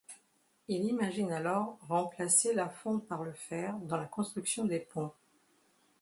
Il imagine alors remplacé la fonte par le fer dans la construction des ponts.